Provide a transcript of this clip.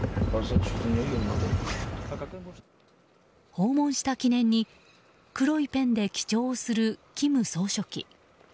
訪問した記念に黒いペンで記帳をする金総書記。